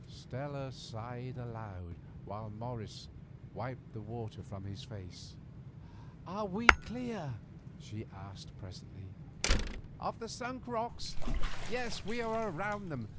Stella sighed aloud, while Morris wiped the water from his face. "Are we clear?" she asked presently. "Of the Sunk Rocks? Yes, we are round them.